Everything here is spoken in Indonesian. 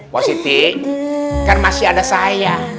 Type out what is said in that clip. mas siti kan masih ada saya